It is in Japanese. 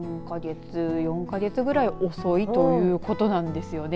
３か月、４か月ぐらい遅いということなんですよね。